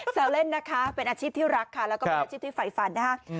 แซวเล่นนะคะเป็นอาชีพที่รักค่ะแล้วก็เป็นอาชีพที่ไฟฟันนะคะ